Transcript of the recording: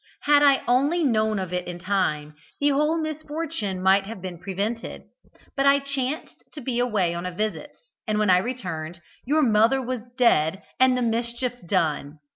Had I only known of it in time, the whole misfortune might have been prevented, but I chanced to be away on a visit, and when I returned, your mother was dead and the mischief done.